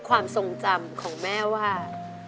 ความทรงจำของแม่ว่า